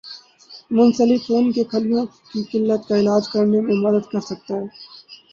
منسلک خون کے خلیوں کی قلت کا علاج کرنے میں مدد کر سکتا ہے